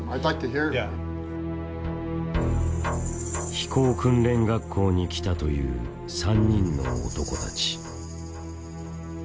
飛行訓練学校に来たという３人の男たち。